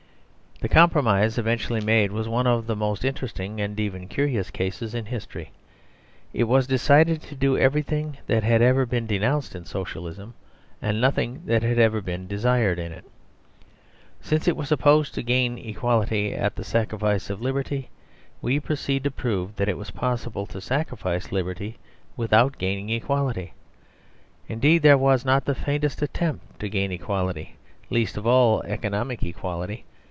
The compromise eventually made was one of the most interesting and even curious cases in history. It was decided to do everything that had ever been denounced in Socialism, and nothing that had ever been desired in it. Since it was supposed to gain equality at the sacrifice of liberty, we proceeded to prove that it was possible to sacrifice liberty without gaining equality. Indeed, there was not the faintest attempt to gain equality, least of all economic equality.